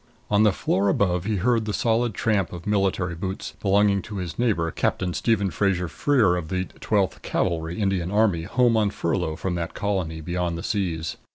On the floor above he heard the solid tramp of military boots belonging to his neighbor, Captain Stephen Fraser Freer, of the Twelfth Cavalry, Indian Army, home on furlough from that colony beyond the seas.